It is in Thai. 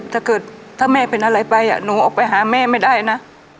ถ้าเกิดถ้าแม่เป็นอะไรไปหนูออกไปหาแม่ไม่ได้นะ